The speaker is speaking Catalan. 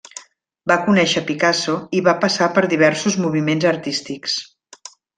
Va conèixer Picasso i va passar per diversos moviments artístics.